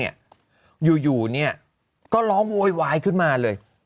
อยู่เนี่ยก็ร้องโวยวายขึ้นมาเลย